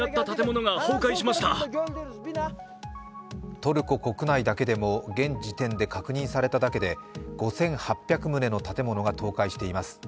トルコ国内だけでも現時点で確認されただけで５８００棟の建物が倒壊しています。